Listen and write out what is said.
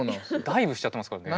ダイブしちゃってますからね。